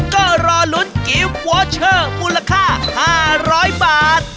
ก็รอลุ้นเกมวอร์เชอร์มูลค่าห้าร้อยบาท